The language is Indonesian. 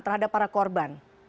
terhadap para korban